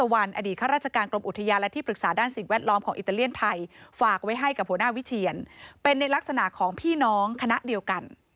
ไว้ให้กับหัวหน้าวิเทียนเป็นในลักษณะของพี่น้องคณะเดียวกัน